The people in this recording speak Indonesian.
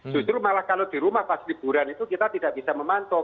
justru malah kalau di rumah pas liburan itu kita tidak bisa memantau